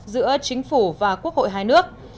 giữa chính phủ và quốc hội hai nước